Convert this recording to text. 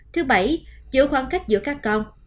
thứ bảy giữ khoảng cách giữa các con